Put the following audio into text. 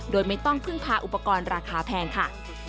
โดยไม่ต้องพึ่งพาอุปกรณ์ราคาแพงค่ะ